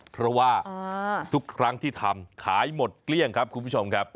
เพราะว่าทุกครั้งที่ทำขายหมดเกลี้ยงครับคุณผู้ชมครับ